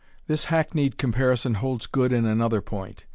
This hackneyed comparison holds good in another point.